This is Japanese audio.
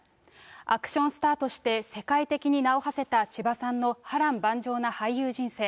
アクションスターとして、世界的に名をはせた千葉さんの波乱万丈な俳優人生。